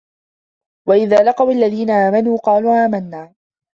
وَإِذَا لَقُوا الَّذِينَ آمَنُوا قَالُوا آمَنَّا